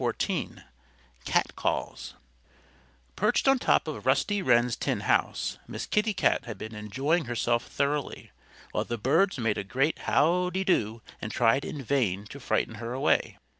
_" XIV CATCALLS PERCHED on top of Rusty Wren's tin house, Miss Kitty Cat had been enjoying herself thoroughly, while the birds made a great how dy do and tried in vain to frighten her away.